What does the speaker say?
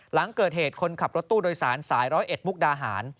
หลังเกิดเหตุคนขับรถตู้โดยสารสาย๑๐๑มุกดาหาร